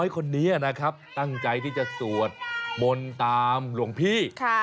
ภรรยาโรหะมีศภรรรยาโรหะมีศ